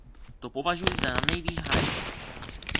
To považuji za nanejvýš hanebné.